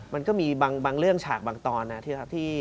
มันก็มีบางเรื่องฉากบางตอนนะเชื่อครับ